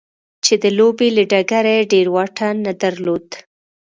چې د لوبې له ډګره يې ډېر واټن نه درلود.